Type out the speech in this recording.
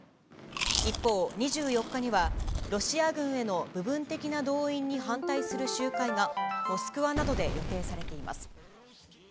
一方、２４日にはロシア軍への部分的な動員に反対する集会が、モスクワなどで予定されています。